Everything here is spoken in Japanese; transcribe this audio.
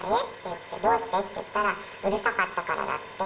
って、どうして？って言ったら、うるさかったからだって。